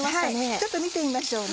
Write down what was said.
ちょっと見てみましょうね。